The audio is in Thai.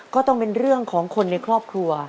ก็ต้องเป็นเรื่องของคนในครอบครัว